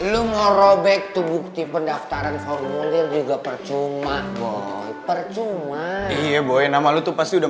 lu mau robek tuh bukti pendaftaran formulir juga percuma boy percuma iya boy nama lu tuh pasti udah